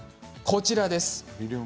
こちらです。